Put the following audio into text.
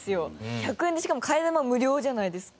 １００円でしかも替え玉無料じゃないですか。